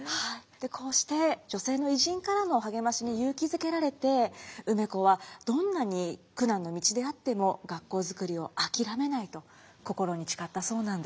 こうして女性の偉人からの励ましに勇気づけられて梅子はどんなに苦難の道であっても学校作りを諦めないと心に誓ったそうなんです。